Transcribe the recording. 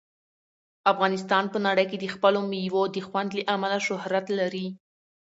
افغانستان په نړۍ کې د خپلو مېوو د خوند له امله شهرت لري.